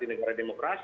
di negara demokrasi